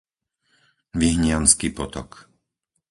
Vyhniansky potok